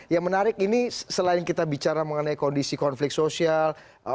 yang menarik ini selain kita bicara mengenai kondisi konflik sosial